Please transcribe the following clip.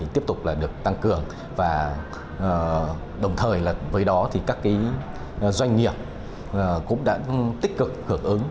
tiếp tục được tăng cường và đồng thời với đó các doanh nghiệp cũng đã tích cực hợp ứng